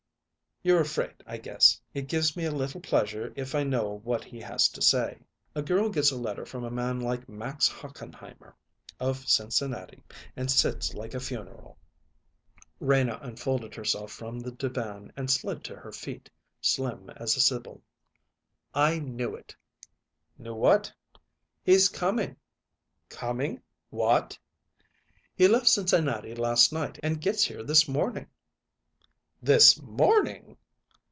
"You're afraid, I guess, it gives me a little pleasure if I know what he has to say. A girl gets a letter from a man like Max Hochenheimer, of Cincinnati, and sits like a funeral!" Rena unfolded herself from the divan and slid to her feet, slim as a sibyl. "I knew it!" "Knew what?" "He's coming!" "Coming? What?" "He left Cincinnati last night and gets here this morning." "This morning!"